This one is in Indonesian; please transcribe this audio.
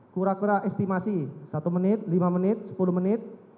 kurang kurang estimasi satu menit lima menit sepuluh menit